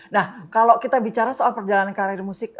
nah kalau kita bicara soal perjalanan karir musik